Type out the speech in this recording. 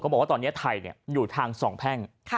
บอกว่าตอนนี้ไทยอยู่ทางสองแพ่ง